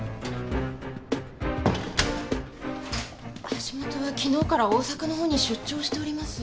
橋本は昨日から大阪の方に出張しております。